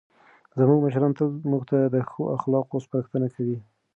زموږ مشران تل موږ ته د ښو اخلاقو سپارښتنه کوي.